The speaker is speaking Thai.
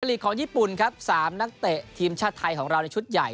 ลีกของญี่ปุ่นครับ๓นักเตะทีมชาติไทยของเราในชุดใหญ่